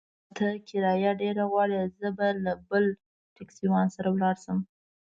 وروره! ته کرايه ډېره غواړې، زه به له بل ټکسيوان سره ولاړ شم.